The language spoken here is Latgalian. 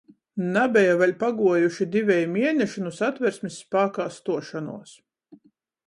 Nabeja vēļ paguojuši diveji mieneši nu Satversmis spākā stuošonuos,